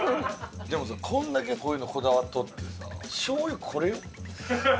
でもさこんだけこういうのこだわっとってさしょう油これよ。